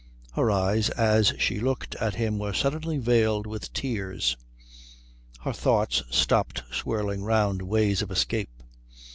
Her eyes as she looked at him were suddenly veiled with tears. Her thoughts stopped swirling round ways of escape.